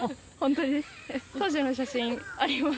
当時の写真あります。